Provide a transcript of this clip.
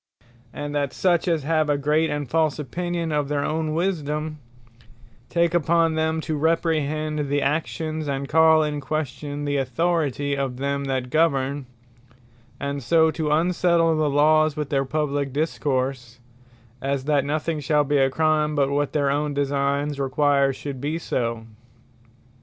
Wisedome And that such as have a great, and false opinion of their own Wisedome, take upon them to reprehend the actions, and call in question the Authority of them that govern, and so to unsettle the Lawes with their publique discourse, as that nothing shall be a Crime, but what their own designes require should be so.